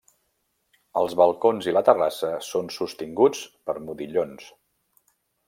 Els balcons i la terrassa són sostinguts per modillons.